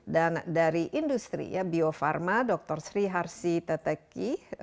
dan dari industri bio farma dr sriharsi teteki